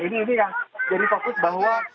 ini yang jadi fokus bahwa